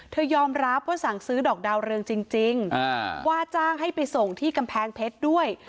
ยอมรับว่าสั่งซื้อดอกดาวเรืองจริงว่าจ้างให้ไปส่งที่กำแพงเพชรด้วย